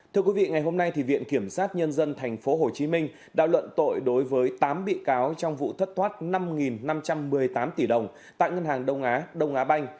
thưa quý vị ngày hôm nay viện kiểm sát nhân dân tp hcm đã luận tội đối với tám bị cáo trong vụ thất thoát năm năm trăm một mươi tám tỷ đồng tại ngân hàng đông á đông á banh